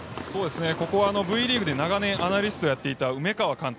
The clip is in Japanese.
ここはＶリーグで長年アナリストやっていた梅川監督